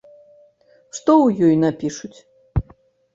Што ў ёй напішуць?